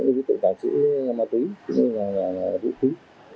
các đối tượng tà sĩ bắt thử những đối tượng tà sĩ ma túy